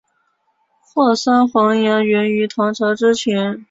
霍山黄芽源于唐朝之前。